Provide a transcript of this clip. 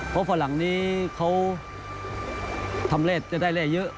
เพราะฝรั่งนี้เขาทำแร่จะได้แร่เยอะ